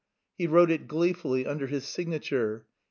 He wrote it gleefully under his signature.